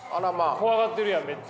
怖がっとるやんめっちゃ。